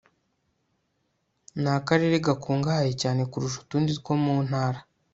ni akarere gakungahaye cyane kurusha utundi two mu ntara